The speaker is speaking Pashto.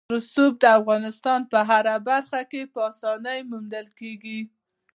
رسوب د افغانستان په هره برخه کې په اسانۍ موندل کېږي.